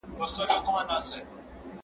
زه به سبا کښېناستل وکړم؟